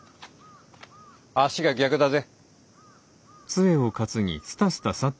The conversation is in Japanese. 足が逆だぜ。